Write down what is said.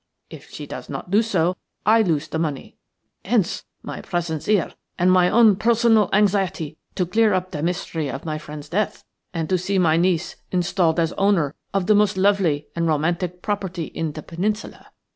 If she does not do so I lose the money. Hence my presence here and my own personal anxiety to clear up the mystery of my friend's death, and to see my niece installed as owner of the most lovely and romantic property in the Peninsula.